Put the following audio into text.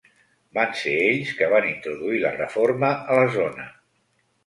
Van ser ells que van introduir la Reforma a la zona.